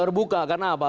terbuka karena apa